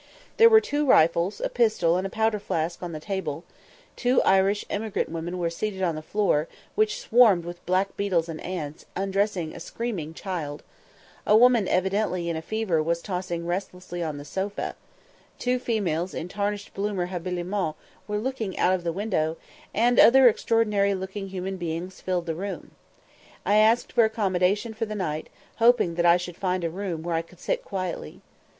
There were two rifles, a pistol, and a powder flask on the table; two Irish emigrant women were seated on the floor (which swarmed with black beetles and ants), undressing a screaming child; a woman evidently in a fever was tossing restlessly on the sofa; two females in tarnished Bloomer habiliments were looking out of the window; and other extraordinary looking human beings filled the room. I asked for accommodation for the night, hoping that I should find a room where I could sit quietly.